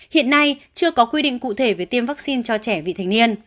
hiện nay chưa có quy định cụ thể về tiêm vắc xin cho trẻ vị thành niên